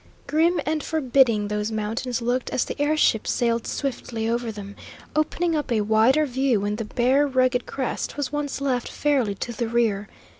Grim and forbidding those mountains looked as the air ship sailed swiftly over them, opening up a wider view when the bare, rugged crest was once left fairly to the rear.